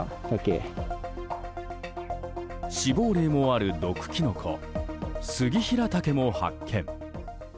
死亡例もある毒キノコスギヒラタケも発見。